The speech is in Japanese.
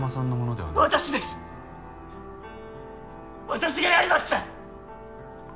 私がやりました。